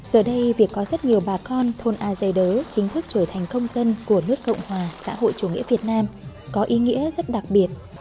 giờ đây việc có rất nhiều bà con thôn a dơi đớ chính thức trở thành công dân của nước cộng hòa xã hội chủ nghĩa việt nam có ý nghĩa rất đặc biệt